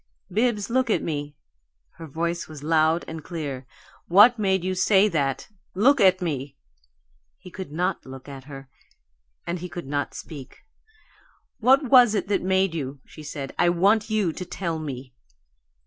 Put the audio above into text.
"Bibbs, look at me!" Her voice was loud and clear. "What made you say that? Look at me!" He could not look at her, and he could not speak. "What was it that made you?" she said. "I want you to tell me."